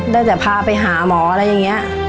ได้จะพาไปหาหมออะไรอย่างเงี้ย